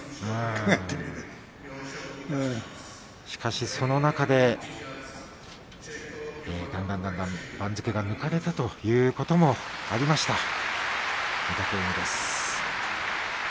しかしその中でだんだんだんだん番付が抜かれたということもありました。